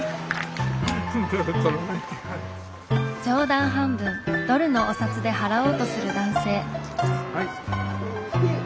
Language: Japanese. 冗談半分ドルのお札で払おうとする男性。